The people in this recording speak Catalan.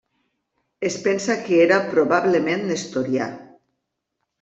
Es pensa que era probablement nestorià.